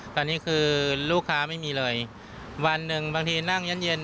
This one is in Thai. ตอนนี้คือลูกค้าไม่มีเลยวันหนึ่งบางทีนั่งเย็น